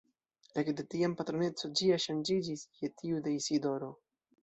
Ekde tiam patroneco ĝia ŝanĝiĝis je tiu de Isidoro.